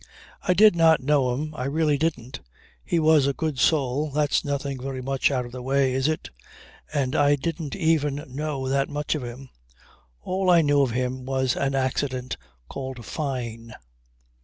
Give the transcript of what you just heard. "I did not know him. I really didn't. He was a good soul. That's nothing very much out of the way is it? And I didn't even know that much of him. All I knew of him was an accident called Fyne.